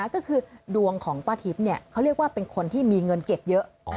ก็คือดวงของป้าทิพย์เขาเรียกว่าเป็นคนที่มีเงินเก็บเยอะ